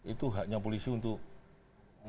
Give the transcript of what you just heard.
itu haknya polisi untuk melakukan